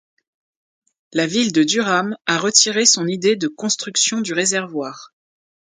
La ville de Durham a retiré son idée de construction du réservoir.